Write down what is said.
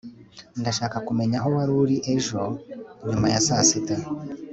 ndashaka kumenya aho wari uri ejo nyuma ya saa sita